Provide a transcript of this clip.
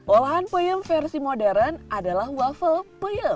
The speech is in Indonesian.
olahan peyem versi modern adalah waffle peyem